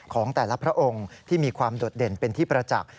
ของแต่ละพระองค์ที่มีความโดดเด่นเป็นที่ประจักษ์